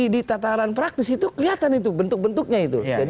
di tataran praktis itu kelihatan itu bentuk bentuknya itu